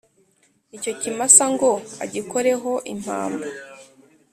icyo kimasa ngo agikoreho impamba.